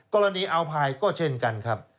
กรณีอัลพายก็เช่นกันครับ